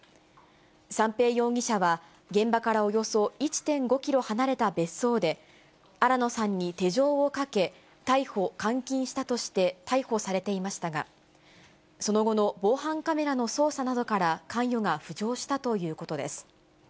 三瓶容疑者は現場からおよそ１．５キロ離れた別荘で、新野さんに手錠をかけ、逮捕・監禁したとして逮捕されていましたが、その後の防犯カメラの捜査などから、関与が浮上したということです。